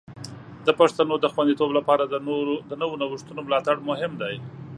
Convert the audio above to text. د پښتو د خوندیتوب لپاره د نوو نوښتونو ملاتړ مهم دی.